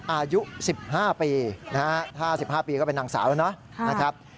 อายุ๑๕ปีนะฮะถ้า๑๕ปีก็เป็นนางสาวแล้วเนาะนะครับ